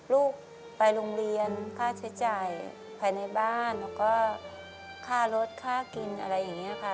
ลูกไปโรงเรียนค่าใช้จ่ายภายในบ้านแล้วก็ค่ารถค่ากินอะไรอย่างนี้ค่ะ